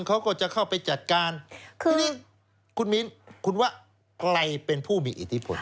เขาก็จะเข้าไปจัดการทีนี้คุณมิ้นคุณว่าใครเป็นผู้มีอิทธิพล